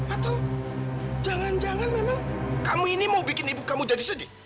atau jangan jangan memang kamu ini mau bikin ibu kamu jadi sedih